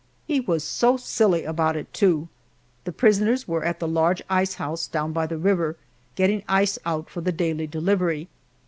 He was so silly about it too. The prisoners were at the large ice house down by the river, getting ice out for the daily delivery.